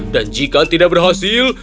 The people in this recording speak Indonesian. dan jika tidak berhasil